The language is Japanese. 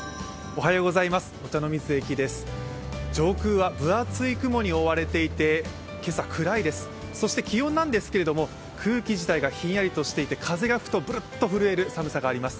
上空は分厚い雲に覆われていて、今朝、暗いです気温なんですけど空気自体がひんやりしていて風が吹くとぶるっと震える寒さがあります。